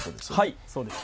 はいそうです。